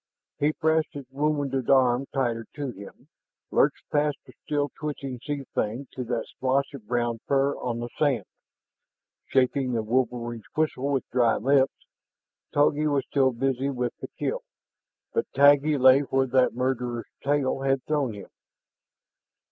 He pressed his wounded arm tighter to him, lurched past the still twitching sea thing to that splotch of brown fur on the sand, shaping the wolverine's whistle with dry lips. Togi was still busy with the kill, but Taggi lay where that murderous tail had thrown him.